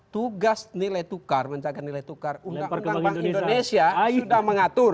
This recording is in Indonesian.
tugas nilai tukar menjaga nilai tukar undang undang bank indonesia sudah mengatur